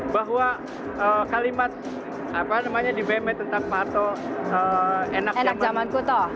bahwa kalimat apa namanya di bme tentang pak ato enak zaman kuto